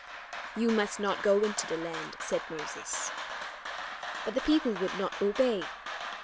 "You must not go into the land," said Moses. But the people would not obey.